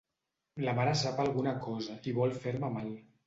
La mare sap alguna cosa i vol fer-me mal.